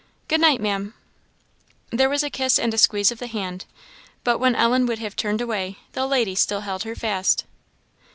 "Good night, Maam." There was a kiss and a squeeze of the hand; but when Ellen would have turned away, the lady still held her fast.